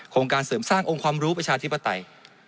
การเสริมสร้างองค์ความรู้ประชาธิปไตย